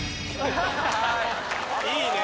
いいね。